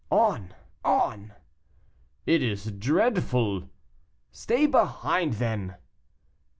"On! on!" "It is dreadful!" "Stay behind then!"